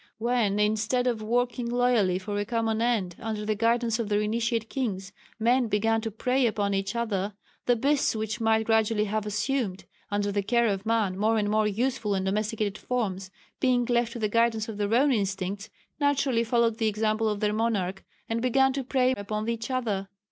When instead of working loyally for a common end, under the guidance of their Initiate kings, men began to prey upon each other, the beasts which might gradually have assumed, under the care of man, more and more useful and domesticated forms, being left to the guidance of their own instincts naturally followed the example of their monarch, and began to prey upon each other.